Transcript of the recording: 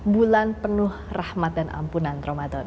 bulan penuh rahmat dan ampunan ramadan